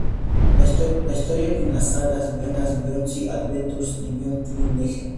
La historia continúa en las sagas "Bionicle Adventures" y "Bionicle Legends".